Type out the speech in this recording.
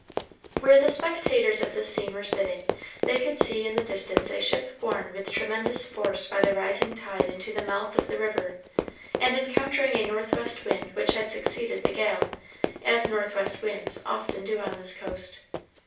Where the spectators of this scene were sitting, they could see in the distance a ship borne with tremendous force by the rising tide into the mouth of the river, and encountering a northwest wind which had succeeded the gale, as northwest winds often do on this coast.